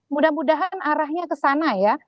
mudah mudahan arahnya ke sana ya